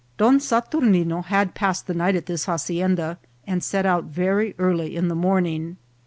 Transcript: Don Saturnine had passed the night at this hacienda, and set out very early in the morning.